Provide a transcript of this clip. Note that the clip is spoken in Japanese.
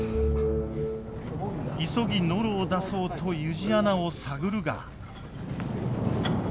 急ぎノロを出そうと湯路穴を探るが。